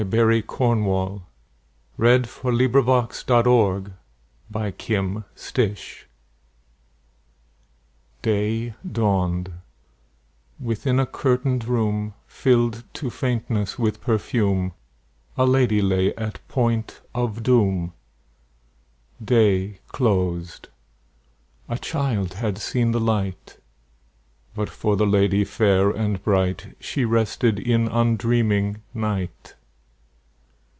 M N . O P . Q R . S T . U V . W X . Y Z History of a Life DAY dawned: within a curtained room, Filled to faintness with perfume, A lady lay at point of doom. Day closed; a child had seen the light; But, for the lady fair and bright, She rested in undreaming night.